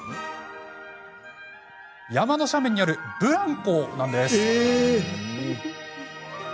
山の斜面にあるブランコです。